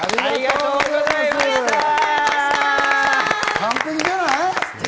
完璧じゃない？